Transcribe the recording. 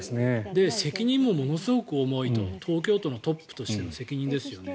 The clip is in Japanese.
責任もものすごく重い東京都のトップとしての責任ですよね。